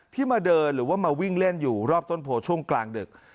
มาเดินหรือว่ามาวิ่งเล่นอยู่รอบต้นโพช่วงกลางดึก